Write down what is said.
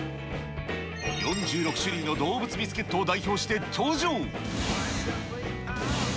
４６種類の動物ビスケットを代表して登場。